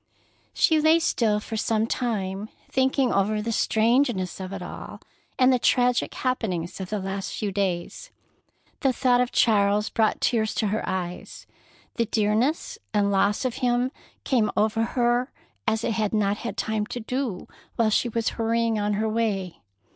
She lay still for some time, thinking over the strangeness of it all, and the tragic happenings of the last few days. The thought of Charles brought tears to her eyes. The dearness and loss of him came over her as it had not had time to do while she was hurrying on her way.